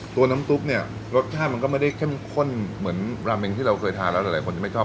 ตัวน้ำซุปเนี่ยรสชาติมันก็ไม่ได้เข้มข้นเหมือนราเมงที่เราเคยทานแล้วหลายคนจะไม่ชอบ